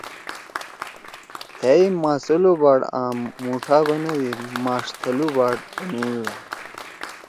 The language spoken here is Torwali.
تھأ ئے ماسلوباٹ آں مُوٹھا بندی ”ماݜ تھلُو باٹ“ بنُودُودا۔